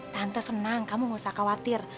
tante senang kamu tidak perlu khawatir